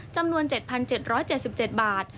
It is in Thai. จำนวน๗๗บาท